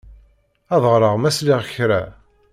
Ad d-ɣreɣ ma sliɣ kra.